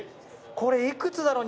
これいくつだろ？